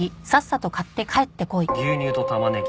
「牛乳と玉ねぎ。